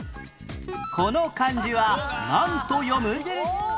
この漢字はなんと読む？